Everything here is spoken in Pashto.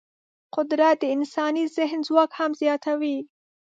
قدرت د انساني ذهن ځواک هم زیاتوي.